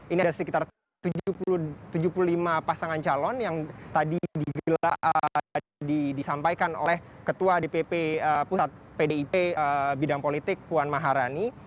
ini ada sekitar tujuh puluh lima pasangan calon yang tadi disampaikan oleh ketua dpp pusat pdip bidang politik puan maharani